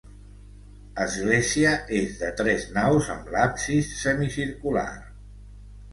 Església és de tres naus amb l'absis semicircular.